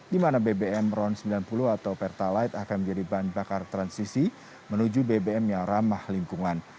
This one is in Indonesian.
di mana bbm ron sembilan puluh atau pertalite akan menjadi bahan bakar transisi menuju bbm yang ramah lingkungan